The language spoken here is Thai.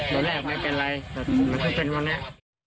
ตอนแรกไม่เป็นไรแต่มันก็เป็นวันนี้